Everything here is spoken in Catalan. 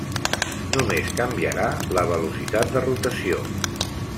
Només canviarà la velocitat de rotació.